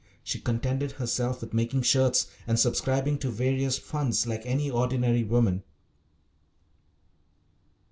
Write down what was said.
She contented herself with making shirts and subscribing to various funds like any ordinary woman.